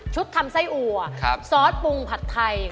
ทำไส้อัวซอสปรุงผัดไทย